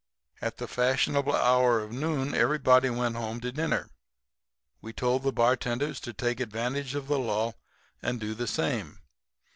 "At the fashionable hour of noon everybody went home to dinner. We told the bartenders to take advantage of the lull, and do the same.